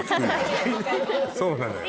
そうなのよ。